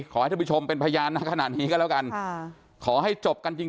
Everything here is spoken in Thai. ขอให้ท่านผู้ชมเป็นพยานนะขนาดนี้ก็แล้วกันค่ะขอให้จบกันจริง